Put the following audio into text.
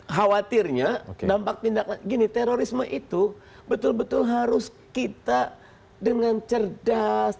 khawatirnya dampak tindak terorisme itu betul betul harus kita dengan cerdas